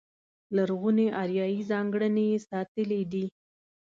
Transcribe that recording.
لرغونې اریایي ځانګړنې یې ساتلې دي.